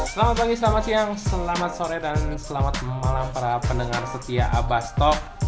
selamat pagi selamat siang selamat sore dan selamat malam para pendengar setia abah stok